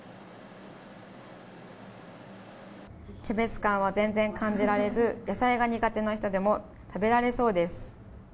キャベツ感は全然感じられず野菜が苦手な人でも食べられそうです。